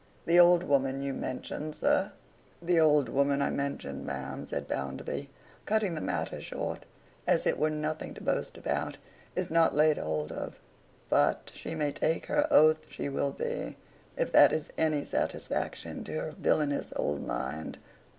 The old woman you mentioned, sir—' 'The old woman I mentioned, ma'am,' said Bounderby, cutting the matter short, as it was nothing to boast about, 'is not laid hold of; but, she may take her oath she will be, if that is any satisfaction to her villainous old mind.